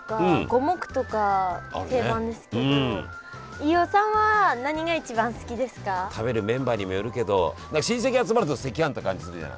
飯尾さんは食べるメンバーにもよるけど親戚集まると赤飯って感じするじゃない？